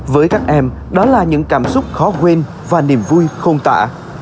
với các em đó là những cảm xúc khó quên và niềm vui không tạ